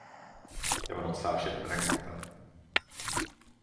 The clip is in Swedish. Det var något särskilt med den katten.